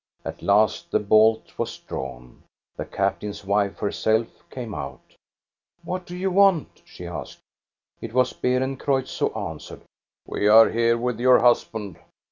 At last the bolt was drawn. The captain's wife herself came out. " What do you want? " she asked. It was Beerencreutz who answered :* GOD'S WAYFARER 343 "We are here with your husband."